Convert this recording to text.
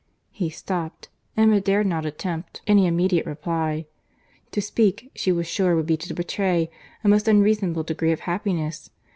He stopped.—Emma dared not attempt any immediate reply. To speak, she was sure would be to betray a most unreasonable degree of happiness.